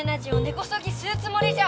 こそぎすうつもりじゃ。